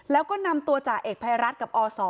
แล้วก็นำตัวจ่าเอกภัยรัฐกับอศ